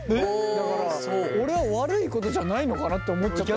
だから俺は悪いことじゃないのかなって思っちゃったんだよ。